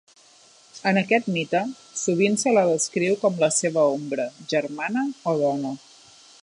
En aquest mite, sovint se la descriu com la seva ombra, germana o dona.